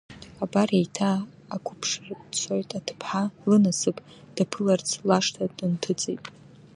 Абар еиҭа ақәыԥшра дцоит аҭыԥҳа, Лынасыԥ даԥыларц лашҭа дынҭыҵит.